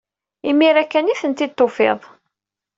Imir-a kan ay ten-id-tufiḍ.